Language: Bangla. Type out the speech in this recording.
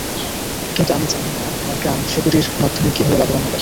কিন্তু আমি জানি না, আমার গ্রাম সেতুটির মাধ্যমে কীভাবে লাভবান হবে।